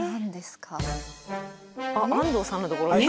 あっ安藤さんのところに。